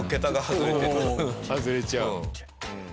外れちゃう。